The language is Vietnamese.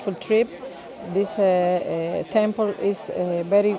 vì chuyến đi tuyệt vời